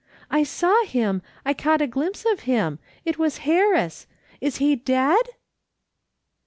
" I saw him, I caught a glimpse of him, it was Harris. Is he dead